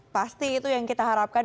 pasti itu yang kita harapkan